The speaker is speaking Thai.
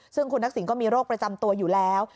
ซึ่งคุณทักษิณก็มีโรคประจำตัวอยู่แล้ว